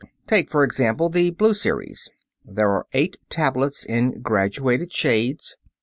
Take, for example, the blue series. There are eight tablets in graduated shades.